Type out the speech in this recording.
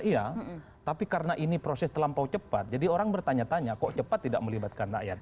iya tapi karena ini proses terlampau cepat jadi orang bertanya tanya kok cepat tidak melibatkan rakyat